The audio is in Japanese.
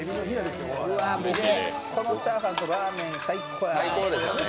このチャーハンとラーメン最高だな。